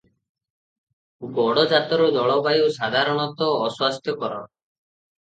ଗଡ଼ଜାତର ଜଳବାୟୁ ସାଧାରଣତଃ ଅସ୍ୱାସ୍ଥ୍ୟକର ।